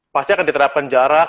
pasti akan diterapkan jarak